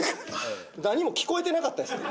何も聞こえてなかったですか？